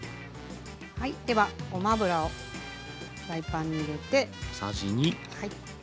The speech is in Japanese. はいではごま油をフライパンに入れて。